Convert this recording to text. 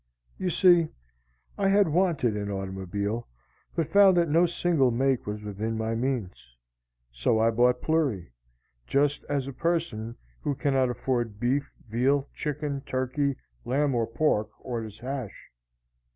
You see, I had wanted an automobile, but found that no single make was within my means. So I bought Plury just as a person who cannot afford beef, veal, chicken, turkey, lamb or pork, orders hash.